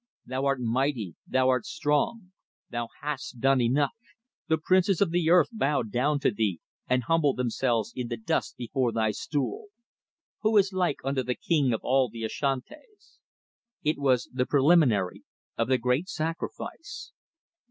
Thou art mighty! Thou art strong! Thou hast done enough! The princes of the earth bow down to thee, and humble themselves in the dust before thy stool. Who is like unto the King of all the Ashantis?" It was the preliminary of the great sacrifice!